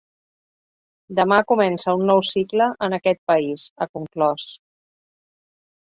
Demà comença un nou cicle en aquest país, ha conclòs.